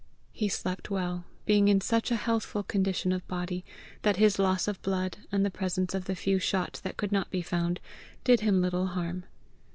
He slept well, being in such a healthful condition of body that his loss of blood, and the presence of the few shot that could not be found, did him little harm.